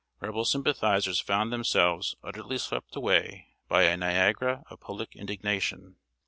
Rebel sympathizers found themselves utterly swept away by a Niagara of public indignation.